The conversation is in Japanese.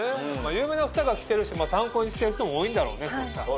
有名な２人が着てるし参考にしてる人も多いんだろうね。